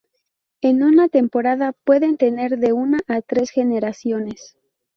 En una temporada pueden tener de una a tres generaciones.